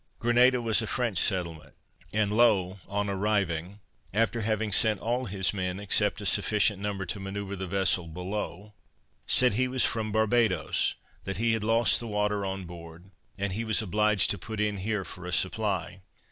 Grenada was a French settlement, and Low, on arriving, after having sent all his men, except a sufficient number to manoeuvre the vessel, below, said he was from Barbadoes; that he had lost the water on board, and was obliged to put in here for a supply.